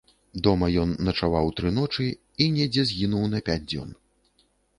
Дома ён начаваў тры ночы і недзе згінуў на пяць дзён.